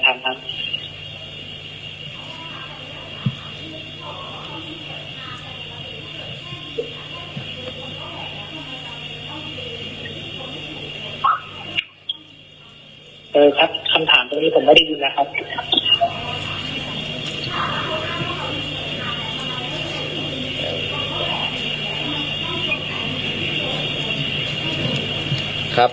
เออครับคำถามตรงนี้ผมไม่ได้ยินนะครับ